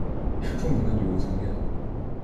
是著名的旅游景点。